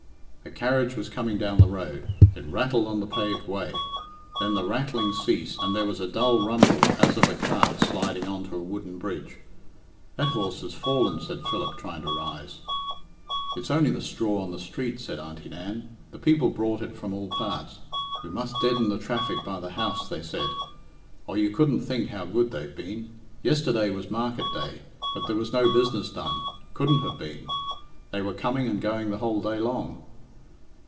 A carriage was coming down the road. It rattled on the paved way; then the rattling ceased, and there was a dull rumble as of a cart sliding on to a wooden bridge. "That horse has fallen," said Philip, trying to rise. "It's only the straw on the street," said Auntie Nan. "The people brought it from all parts. 'We must deaden the traffic by the house,' they said. Oh, you couldn't think how good they've been. Yesterday was market day, but there was no business done. Couldn't have been; they were coming and going the whole day long.